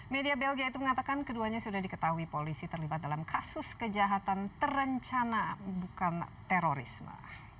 media belgia itu mengatakan keduanya sudah diketahui polisi terlibat dalam kasus kejahatan terencana bukan terorisme